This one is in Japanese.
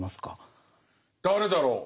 誰だろう。